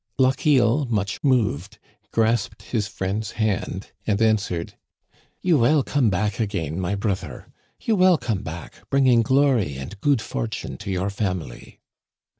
Lochiel, much moved, grasped his friend's hand and answered :You will come back again, my brother. You will come back, bringing glory and good fortune to your family."